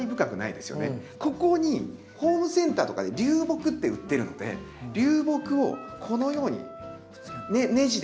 ここにホームセンターとかで流木って売ってるので流木をこのようにネジでつけて。